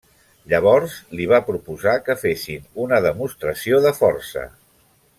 Llavors li va proposar que fessin una demostració de força.